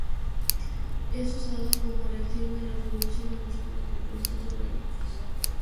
Es usado como un reactivo en la producción de muchos compuestos orgánicos.